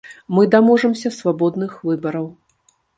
Мы даможамся свабодных выбараў!